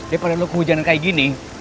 daripada lo kehujanan kayak gini